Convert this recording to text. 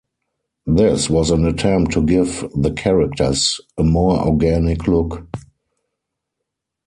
This was an attempt to give the characters a "more organic" look.